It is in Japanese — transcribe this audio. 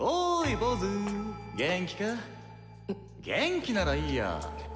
元気ならいいや。